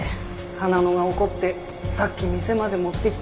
花野が怒ってさっき店まで持ってきたよ。